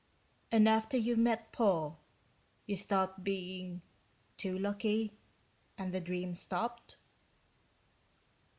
"And after you met Paul, you stopped being ... too lucky ... and the dream stopped?"